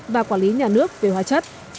và quản lý nhà nước về hóa chất